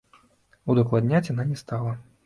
Удакладняць яна не стала.